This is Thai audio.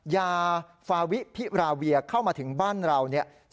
ยาฟาวิพิราเวียเข้ามาถึงบ้านเราเนี่ย